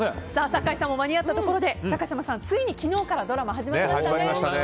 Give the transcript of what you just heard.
酒井さんも間に合ったところで高嶋さん、ついに昨日からドラマ始まりましたね。